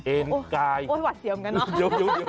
เอนกายโว้นหวัดเสียมกันเนอะ